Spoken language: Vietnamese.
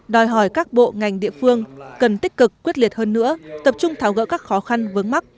đòi hỏi các bộ ngành địa phương cần tích cực quyết liệt hơn nữa tập trung tháo gỡ các khó khăn vướng mắt